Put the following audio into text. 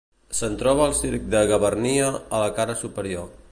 Se'n troba el circ de Gavarnia a la cara superior.